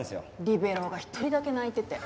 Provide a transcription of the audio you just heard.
リベロウが１人だけ泣いてて。